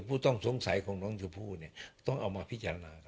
ผู้ต้องสงสัยของน้องเจ้าผู้เนี้ยต้องเอามาพิจารณากันแหละแบบ